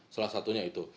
salah satunya itu